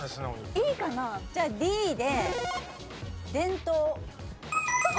いいかな？じゃあＤででんとう。